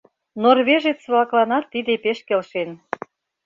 Норвежец-влакланат тиде пеш келшен.